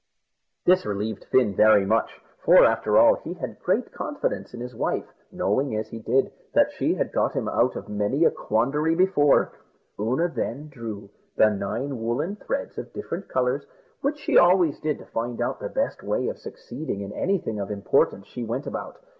This relieved Fin very much; for, after all, he had great confidence in his wife, knowing, as he did, that she had got him out of many a quandary before. Oonagh then drew the nine woollen threads of different colours, which she always did to find out the best way of succeeding in anything of importance she went about.